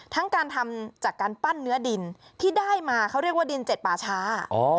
ทั้งการทำจากการปั้นเนื้อดินที่ได้มาเขาเรียกว่าดินเจ็ดป่าช้า